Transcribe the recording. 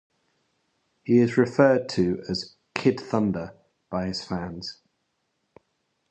He is referred to as "Kid Thunder" by his fans.